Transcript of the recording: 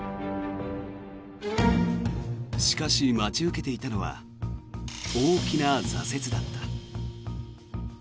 しかし、待ち受けていたのは大きな挫折だった。